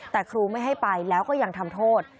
แต่ครูไม่ให้ไปแล้วก็ยังทำโทษ